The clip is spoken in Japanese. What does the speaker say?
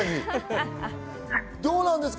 どうなんですか？